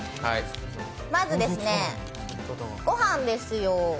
まずごはんですよ！